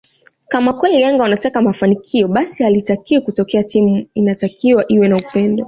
kama kweli Yanga wanataka mafanikio basi halitakiwi kutokea timu inatakiwa iwe na upendo